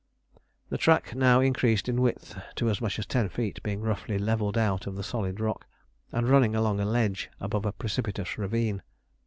The track now increased in width to as much as ten feet, being roughly levelled out of the solid rock, and running along a ledge above a precipitous ravine.